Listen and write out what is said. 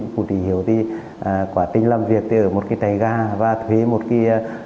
vũ tri hiếu thì quả tính làm việc ở một cái trại gà và thuê một cái